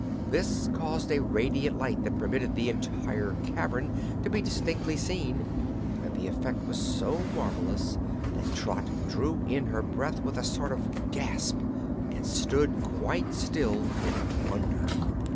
This caused a radiant light that permitted the entire cavern to be distinctly seen, and the effect was so marvelous that Trot drew in her breath with a sort of a gasp, and stood quite still in wonder.